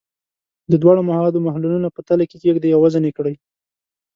د دواړو موادو محلولونه په تلې کې کیږدئ او وزن یې کړئ.